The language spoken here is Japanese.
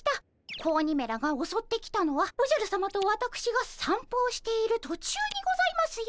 子鬼めらがおそってきたのはおじゃるさまとわたくしがさんぽをしている途中にございますよ。